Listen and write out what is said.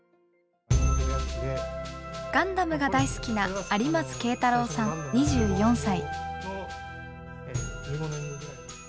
「ガンダム」が大好きな有松啓太郎さん２４歳。